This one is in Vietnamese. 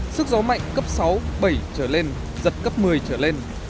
sức gió mạnh cấp sáu bảy trở lên giật cấp một mươi trở lên